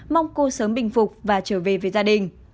mong cô sớm bình phục và trở về với gia đình